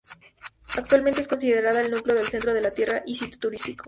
Actualmente es considerada el núcleo del centro de la ciudad, y sitio turístico.